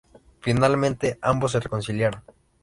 Finalmente, ambos se reconciliaron.